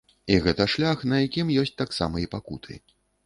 І гэта шлях, на якім ёсць таксама і пакуты.